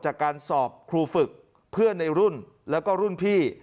จากการสอบครูฝึกเพื่อนในรุ่นแล้วก็รุ่นพี่